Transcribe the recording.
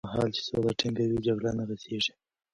هغه مهال چې سوله ټینګه وي، جګړه نه غځېږي.